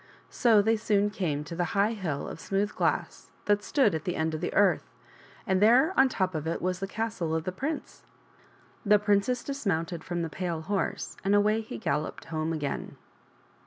So they soon came to the high hill of smooth glass that stood at the end of the earth, and there, on top of it, was the castle of the prince. The princess dismounted from the pale horse, and away he galloped home again.